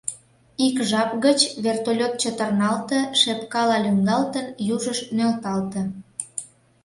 Ик жап гыч вертолёт чытырналте, шепкала лӱҥгалтын, южыш нӧлталте.